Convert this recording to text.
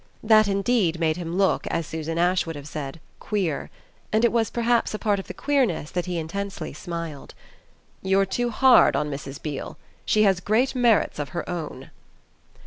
That indeed made him look, as Susan Ash would have said, queer; and it was perhaps a part of the queerness that he intensely smiled. "You're too hard on Mrs. Beale. She has great merits of her own."